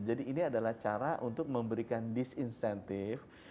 jadi ini adalah cara untuk memberikan disinsentif